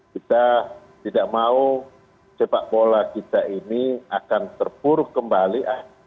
kita tidak mau sepak bola kita ini akan terpuruk kembali